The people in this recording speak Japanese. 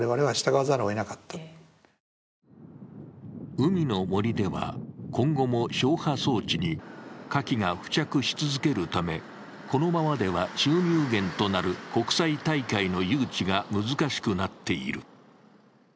海の森では、今後も消波装置にかきが付着し続けるため、このままでは収入源となる国際大会の誘致が難しくなっている。